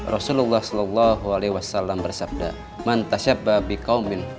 rasulullah saw bersabda